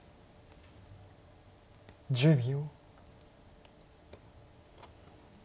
１０秒。